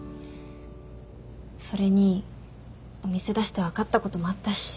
それにお店出して分かったこともあったし。